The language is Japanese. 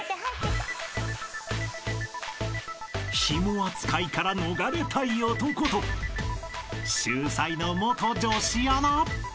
［ヒモ扱いから逃れたい男と秀才の元女子アナ］